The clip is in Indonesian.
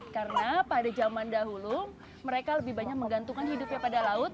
karena pada zaman dahulu mereka lebih banyak menggantungkan hidupnya pada laut